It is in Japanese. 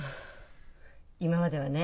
今まではね